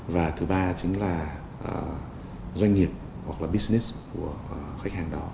và thứ ba chính là doanh nghiệp hoặc là business của khách hàng đó